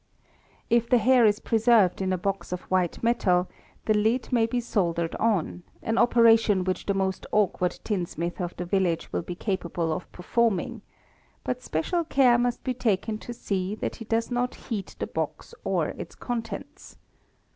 If the hair is preserved in a box of white metal, the lid may be sold ered on, an operation which the most awkward tinsmith of the village _ will be capable of performing ; but special care must be taken to see that he does not heat the box or its contents.